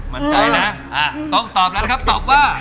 มั่นใจนะต้องตอบแล้วนะครับตอบว่า